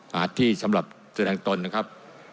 ที่สำหรับแสดงตนนะครับ